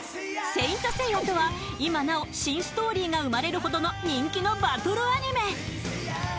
「聖闘士星矢」とは今なお新ストーリーが生まれるほどの人気のバトルアニメ